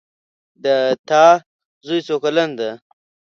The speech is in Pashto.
د تا زوی څو کلن ده